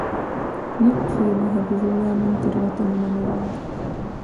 لیک کې یې د حفیظالله امین تېروتنې منلې وې.